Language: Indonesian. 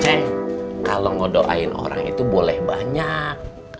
ceng kalau nge doain orang itu boleh banyak